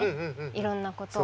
いろんなことを。